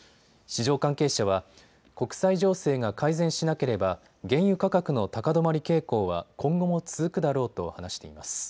市場関係者は国際情勢が改善しなければ原油価格の高止まり傾向は今後も続くだろうと話しています。